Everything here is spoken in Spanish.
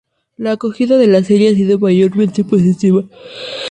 La acogida de la serie ha sido mayormente positiva.